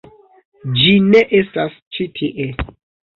Ĝi ne estas ĉi tie